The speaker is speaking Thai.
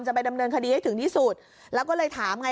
ไปดำเนินคดีให้ถึงที่สุดแล้วก็เลยถามไง